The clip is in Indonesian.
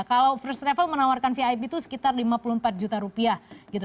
kalau first travel menawarkan vip itu sekitar lima puluh empat juta rupiah gitu